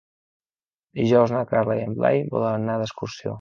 Dijous na Carla i en Blai volen anar d'excursió.